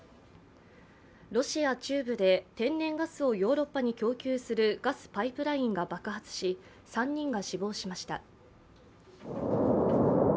ロシア中部で天然ガスをヨーロッパに供給するガスパイプラインが爆発し３人が死亡しました。